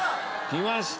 きました！